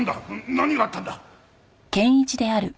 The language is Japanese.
何があったんだ！？